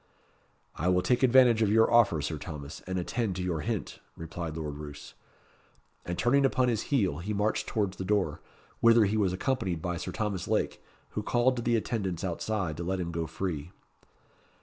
"I will take advantage of your offer, Sir Thomas, and attend to your hint," replied Lord Roos. And turning upon his heel, he marched towards the door, whither he was accompanied by Sir Thomas Lake, who called to the attendants outside to let him go free.